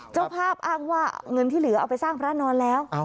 เจ้าภาพอ้างว่าเงินที่เหลือเอาไปสร้างพระนอนแล้ว